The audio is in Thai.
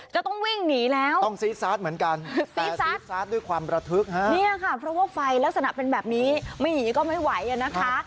จะต้องวิ่งหนีแล้วต้องซีซาสเหมือนกันซาดด้วยความระทึกฮะเนี่ยค่ะเพราะว่าไฟลักษณะเป็นแบบนี้ไม่หนีก็ไม่ไหวอ่ะนะคะ